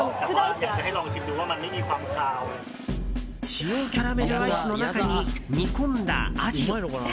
塩キャラメルアイスの中に煮込んだアジを。